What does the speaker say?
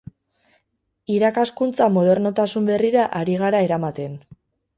Irakaskuntza modernotasun berrira ari gara eramaten.